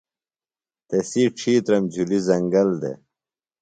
تسی ڇِھیترم جُھلیۡ زنگل دےۡ۔